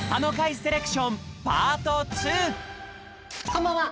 こんばんは！